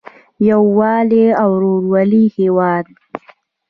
د یووالي او ورورولۍ هیواد.